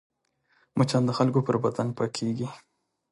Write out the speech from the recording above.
مچان د خلکو پر بدن پکېږي